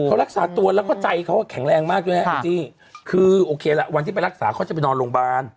เขารักษาตัวแล้วก็ใจเขาแข็งแรงมากด้วยนะคุณจี้คือโอเคละวันที่ไปรักษาเขาจะไปนอนโรงพยาบาล